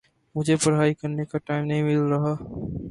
مجھے پڑھائی کرنے کا ٹائم نہیں مل رہا